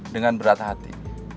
dengan berat hati